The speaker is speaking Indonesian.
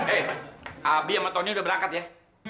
eh abi sama tony udah berangkat ya